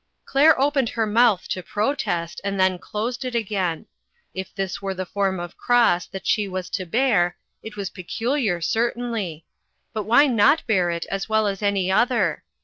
Claire opened her mouth to protest and then closed it again. If this were the form of cross that she was to bear, it was pecu liar, certainly ; but why not bear it as well as any other?